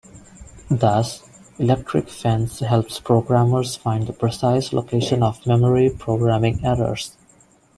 Thus, Electric Fence helps programmers find the precise location of memory programming errors.